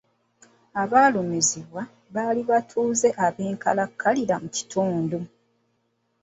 Abaalumizibwa baali batuuze ab'enkalakkalira mu kitundu.